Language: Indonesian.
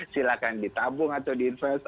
silahkan ditabung atau diinvest